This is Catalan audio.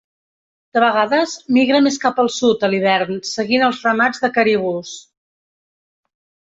De vegades, migra més cap al sud a l'hivern seguint els ramats de caribús.